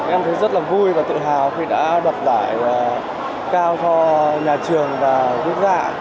em thấy rất là vui và tự hào khi đã đập đải cao cho nhà trường và quốc gia